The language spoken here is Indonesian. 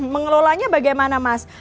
mengelolanya bagaimana mas